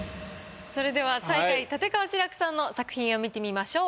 それでは最下位立川志らくさんの作品を見てみましょう。